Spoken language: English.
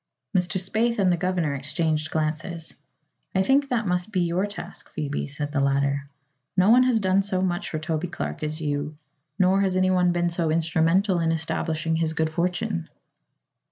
Mr. Spaythe and the governor exchanged glances. "I think that must be your task, Phoebe," said the latter. "No one has done so much for Toby Clark as you, nor has anyone been so instrumental in establishing his good fortune."